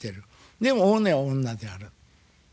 でも本音は女である。